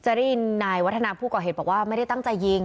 จาเรียนนายวัฒนาภูเขาเห็นบอกว่าไม่ได้ตั้งใจยิง